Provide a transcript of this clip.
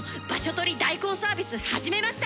取り代行サービス始めました！